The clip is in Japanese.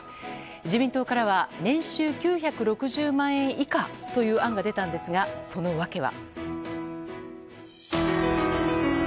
自民党からは年収９６０万円以下という案が出たんですが、その訳は。